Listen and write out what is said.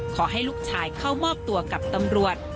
ขอให้ลูกชายเข้ามอบตัวกับตำรวจ